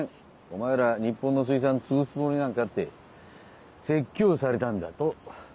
お前ら日本の水産潰すつもりなんか」って説教されたんだと。